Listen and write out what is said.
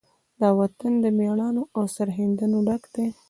دا وطن د مېړانو، او سرښندنو نه ډک دی.